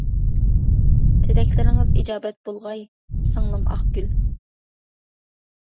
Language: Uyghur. تىلەكلىرىڭىز ئىجابەت بولغاي، سىڭلىم ئاق گۈل!